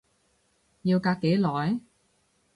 要隔幾耐？